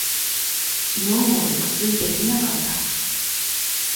きのうも熟睡できなかった。